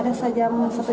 ada satu jam lebih